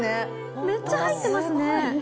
めっちゃ入ってますね。